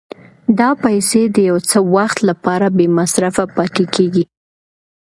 دا پیسې د یو څه وخت لپاره بې مصرفه پاتې کېږي